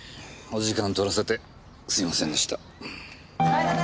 お時間とらせてすいませんでした。